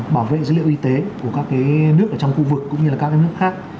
bảo vệ dữ liệu y tế của các nước ở trong khu vực cũng như là các nước khác